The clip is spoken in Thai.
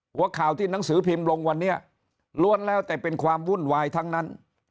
หัวข่าวที่หนังสือพิมพ์ลงวันนี้ล้วนแล้วแต่เป็นความวุ่นวายทั้งนั้น